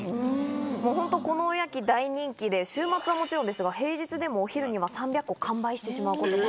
もうホントこのおやき大人気で週末はもちろんですが平日でもお昼には３００個完売してしまうこともあると。